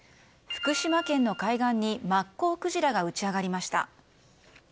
福島県の海岸にマッコウクジラが打ち揚がりました。